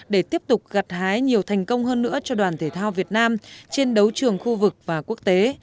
để tiếp tục gặt hái nhiều thành công hơn nữa cho đoàn thể thao việt nam trên đấu trường khu vực và quốc tế